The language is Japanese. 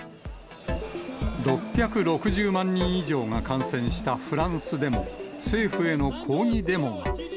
６６０万人以上が感染したフランスでも、政府への抗議デモが。